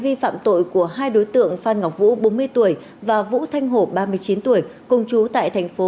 vi phạm tội của hai đối tượng phan ngọc vũ bốn mươi tuổi và vũ thanh hổ ba mươi chín tuổi cùng chú tại thành phố